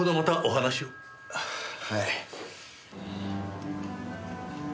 はい。